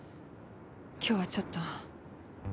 今日はちょっと。